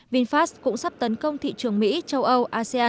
vinfast cũng sắp tấn công thị trường mỹ châu âu asean